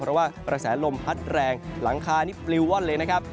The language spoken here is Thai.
เพราะว่ากระแสลมพัดแรงหลังคานี่ปลิวว่อนเลยนะครับ